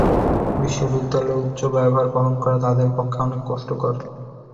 বিশ্ববিদ্যালয়ের উচ্চ ব্যয়ভার বহন করা তাদের পক্ষে অনেক কষ্টকর।